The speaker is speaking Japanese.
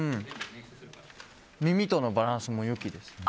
耳とのバランスも良きですね。